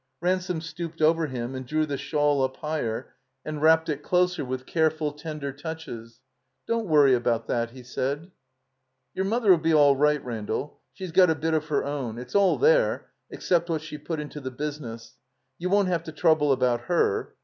Ransome stooped over him and drew the shawl up higher and wrapped it closer with careftd, tender touches. "Doa't worry about that," he said. "Your Mother '11 be all right, Randall. She's got a bit of her own. It's all there, except what she put into the business. You won't have to trouble about her."